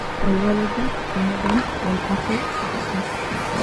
وَالْوَلَدُ كَمَدٌ وَالْأَخُ فَخٌّ